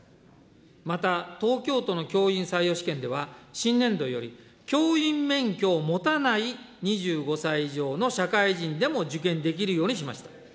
また東京都の教員採用試験では、新年度より教員免許を持たない２５歳以上の社会人でも受験できるようにしました。